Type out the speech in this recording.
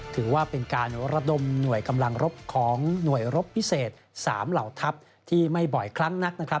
ถือว่าเป็นการระดมหน่วยกำลังรบของหน่วยรบพิเศษ๓เหล่าทัพที่ไม่บ่อยครั้งนักนะครับ